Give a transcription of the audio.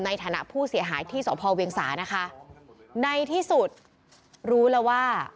ในฐานะผู้เสียหายที่สพเวียงสานะคะในที่สุดรู้แล้วว่า